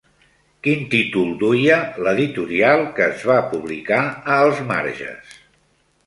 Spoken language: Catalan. Quin títol duia l'editorial que es va publicar a Els Marges?